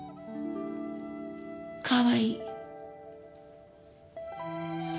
かわいい。